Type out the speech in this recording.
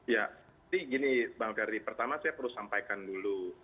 ya jadi gini bang ferdi pertama saya perlu sampaikan dulu